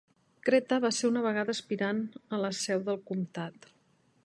Creta va ser una vegada aspirant a la seu del comtat.